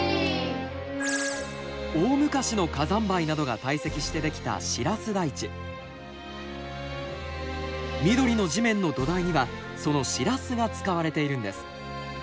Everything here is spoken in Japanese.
大昔の火山灰などが堆積してできた緑の地面の土台にはそのシラスが使われているんです。